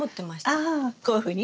ああこういうふうに？